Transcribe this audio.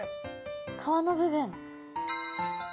皮の部分。